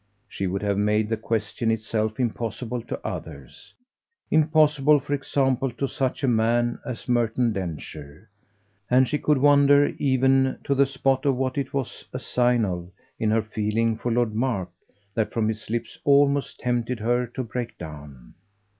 She would have made the question itself impossible to others impossible for example to such a man as Merton Densher; and she could wonder even on the spot what it was a sign of in her feeling for Lord Mark that from his lips it almost tempted her to break down.